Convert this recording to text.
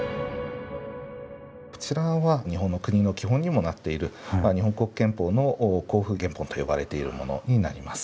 こちらは日本の国の基本にもなっている日本国憲法の公布原本と呼ばれているものになります。